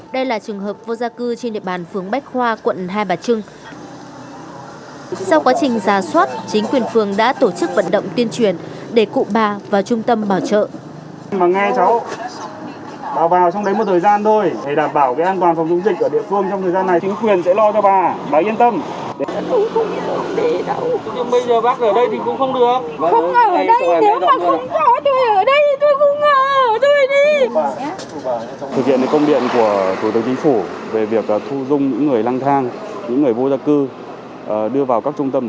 đây là trường hợp vô gia cư trên địa bàn phướng bách khoa quận hai bà trưng